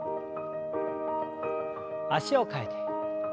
脚を替えて。